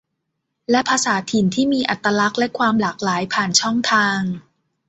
และภาษาถิ่นที่มีอัตลักษณ์และความหลากหลายผ่านช่องทาง